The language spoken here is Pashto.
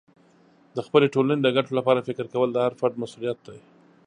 د خپلې ټولنې د ګټو لپاره فکر کول د هر فرد مسئولیت دی.